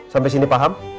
sampai sini paham